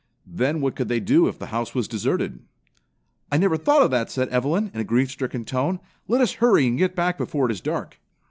Then what could they do if the house was deserted?" "I never thought of that," said Evelyn in a grief stricken tone. "Let us hurry and get back before it is dark."